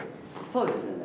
そうですね。